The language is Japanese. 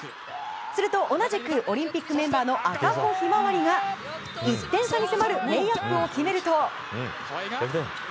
すると同じくオリンピックメンバーの赤穂ひまわりが１点差に迫るレイアップを決めると。